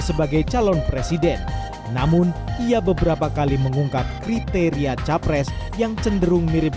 sebagai calon presiden namun ia beberapa kali mengungkap kriteria capres yang cenderung mirip